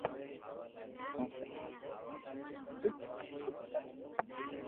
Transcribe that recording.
اوڻي امو نين دنيا دآکاري ھي